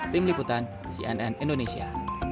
tim liputan cnn indonesia